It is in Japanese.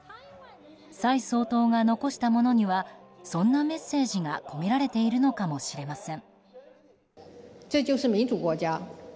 蔡総統が残したものにはそんなメッセージが込められているのかもしれません。